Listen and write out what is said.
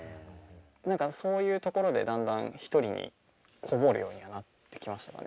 何かそういうところでだんだん一人に籠もるようにはなってきましたかね。